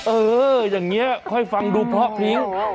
เอออย่างนี้ค่อยฟังดูเพราะพิ้ง